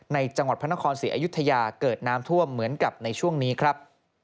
จังหวัดพระนครศรีอยุธยาเกิดน้ำท่วมเหมือนกับในช่วงนี้ครับ